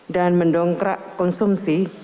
dan mendongkrak konsumsi